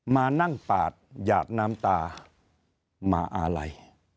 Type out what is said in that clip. มานั่งปาดหยาดน้ำตามาอาลัย